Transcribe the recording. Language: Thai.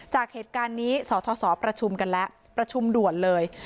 จากเหตุการณ์นี้สทศประชุมกันแล้วประชุมด่วนเลย